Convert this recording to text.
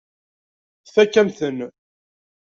Tfakk-am-ten.